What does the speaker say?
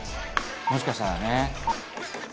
「もしかしたらね」